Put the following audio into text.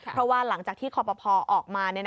เพราะว่าหลังจากที่คอปภออกมา